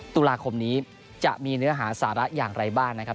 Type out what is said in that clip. ตุลาคมนี้จะมีเนื้อหาสาระอย่างไรบ้างนะครับ